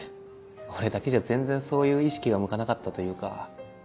俺だけじゃ全然そういう意識が向かなかったというか。